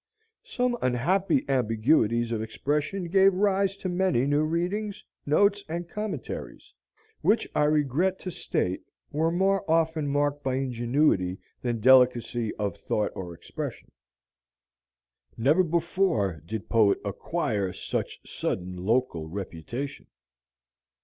Some unhappy ambiguities of expression gave rise to many new readings, notes, and commentaries, which, I regret to state, were more often marked by ingenuity than delicacy of thought or expression. Never before did poet acquire such sudden local reputation.